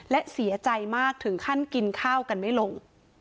และเสียใจมากถึงขั้นกินข้าวกันไม่ลง